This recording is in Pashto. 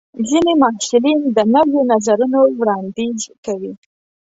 ځینې محصلین د نویو نظرونو وړاندیز کوي.